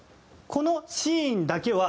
このシーンだけは。